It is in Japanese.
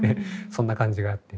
そんな感じがあって。